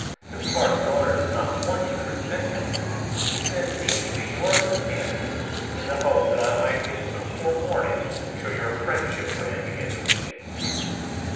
Since Barcelona does not want you to resent him, he sent me to be your companion in the hope that I might get some forewarning should your friendship for him begin to weaken."